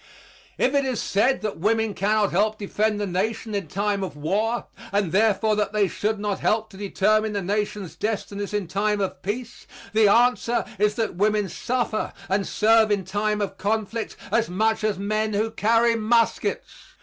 If it is said that women cannot help defend the Nation in time of war and therefore that they should not help to determine the Nation's destinies in time of peace, the answer is that women suffer and serve in time of conflict as much as men who carry muskets.